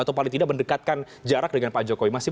atau paling tidak mendekatkan jarak dengan pak jokowi